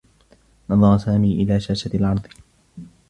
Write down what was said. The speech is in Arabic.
نظر سامي إلى شاسة العرض.